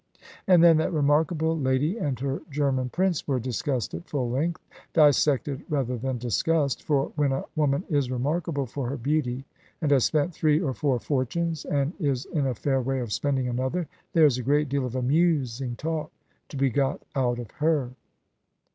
And then that remarkable lady and her German Prince were discussed at full length dissected rather than discussed; for when a woman is remarkable for her beauty, and has spent three or four fortunes, and is in a fair way of spending another, there is a great deal of amusing talk to be got out of her.